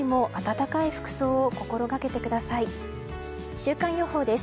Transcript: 週間予報です。